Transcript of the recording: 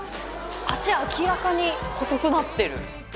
脚明らかに細くなってる。